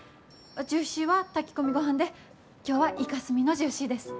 ジューシーは炊き込みごはんで今日はイカスミのジューシーです。